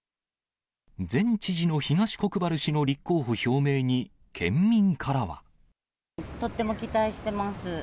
前知事の東国原氏の立候補表とっても期待してます。